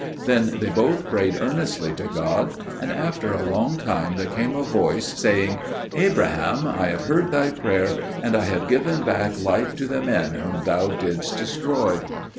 Then they both prayed earnestly to God; and after a long time there came a voice saying, "Abraham, I have heard thy prayer, and I have given back life to the men whom thou didst destroy."